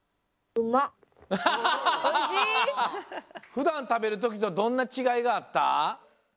ふだん食べるときとどんなちがいがあった？